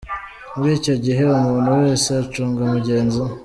Muri icyo gihe, umuntu wese acunga mugenzi we.